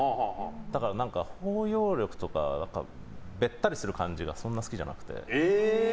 だから、包容力とかべったりする感じがそんなに好きじゃなくて。